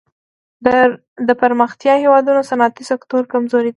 د پرمختیايي هېوادونو صنعتي سکتور کمزوری دی.